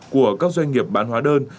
của các doanh nghiệp bán hóa đơn